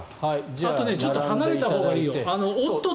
あとちょっと離れたほうがいいよ。